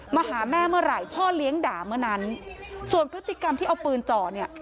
มาหาแม่เมื่อไหร่พ่อเลี้ยงด่าเมื่อนั้นส่วนพฤติกรรมที่เอาปืนจ่อเนี่ย